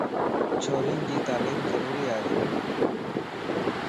ڇورين جي تعليم ضروري ائي.